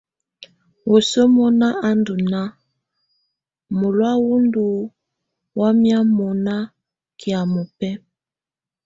Wǝ́suǝ mɔ̀na á ndɔ̀ nàà, mɔlɔ̀á wù ndù wamɛ̀á mɔna kɛ̀́á mɔbɛ̀á.